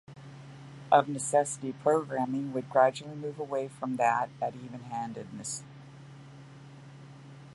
Of necessity, programming would gradually move away from that at even-handedness.